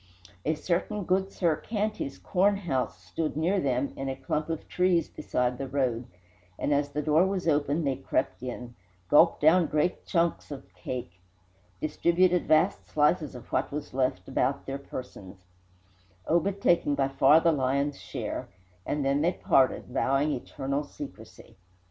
A certain Goodsir Canty's cornhouse stood near them in a clump of trees beside the road, and as the door was open they crept in, gulped down great "chunks" of cake, distributed vast slices of what was left about their persons, Obed taking by far the lion's share, and then they parted, vowing eternal secrecy.